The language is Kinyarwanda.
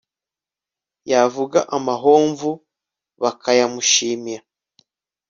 yavuga amahomvu, bakayamushimira